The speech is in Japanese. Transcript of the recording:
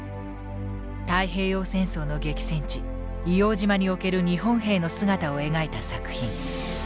太平洋戦争の激戦地硫黄島における日本兵の姿を描いた作品。